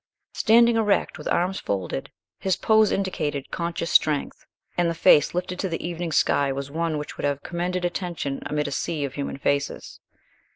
Standing erect, with arms folded, his pose indicated conscious strength, and the face lifted to the evening sky was one which would have commanded attention amid a sea of human faces.